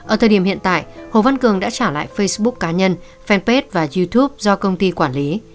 ở thời điểm hiện tại hồ văn cường đã trả lại facebook cá nhân fanpage và youtube do công ty quản lý